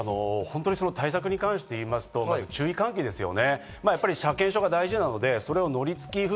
対策に関して言いますと注意喚起ですよね。